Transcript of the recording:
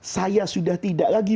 saya sudah tidak lagi